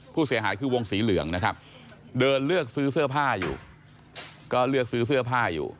ผู้เสียหายคือวงสีเหลืองนะครับเดินเลือกซื้อเสื้อผ้าอยู่ก็เลือกซื้อเสื้อผ้าอยู่